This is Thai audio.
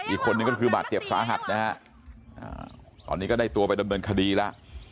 อีกคนนึงก็คือบาดเจ็บสาหัสนะฮะตอนนี้ก็ได้ตัวไปดำเนินคดีแล้ว